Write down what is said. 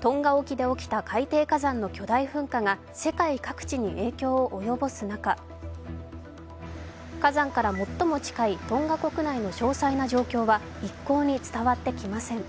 トンガ沖で起きた海底火山の巨大噴火が世界各地に影響を及ぼす中、火山から最も近いトンガ国内の詳細な状況は一向に伝わってきません。